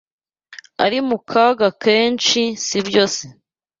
Ari mu kaga kenshi si byo se